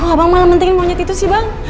abang malah mentengin monyet itu sih bang